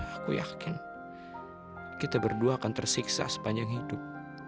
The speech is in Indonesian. aku yakin kita berdua akan tersiksa sepanjang hidup